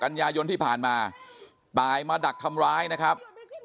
กันยายนที่ผ่านมาตายมาดักทำร้ายนะครับ